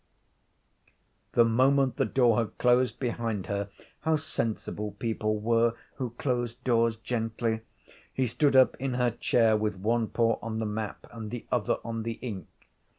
_ The moment the door had closed behind her how sensible people were who closed doors gently he stood up in her chair with one paw on the map and the other on the ink.